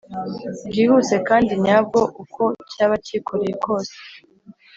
bwihuse kandi nyabwo uko cyaba cyikoreye kose